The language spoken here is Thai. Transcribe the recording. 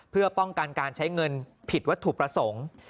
เพื่อป้องกันการใช้เงินผิดวัตถุประสงค์